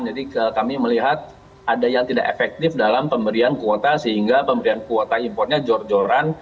jadi kami melihat ada yang tidak efektif dalam pemberian kuota sehingga pemberian kuota impornya jor joran